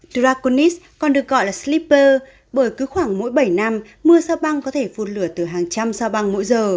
drakonis còn được gọi là slipper bởi cứ khoảng mỗi bảy năm mưa sao băng có thể phụt lửa từ hàng trăm sao băng mỗi giờ